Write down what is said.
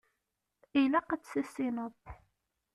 Ilaq ad tt-tissineḍ.